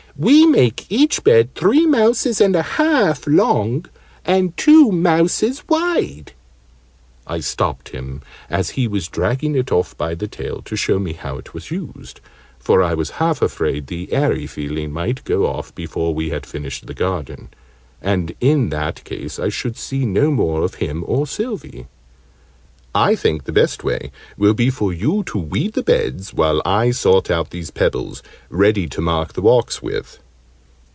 We make each bed three mouses and a half long, and two mouses wide." I stopped him, as he was dragging it off by the tail to show me how it was used, for I was half afraid the 'eerie' feeling might go off before we had finished the garden, and in that case I should see no more of him or Sylvie. "I think the best way will be for you to weed the beds, while I sort out these pebbles, ready to mark the walks with."